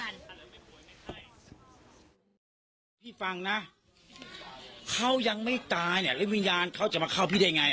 นี่น้อยทำงานทำงาน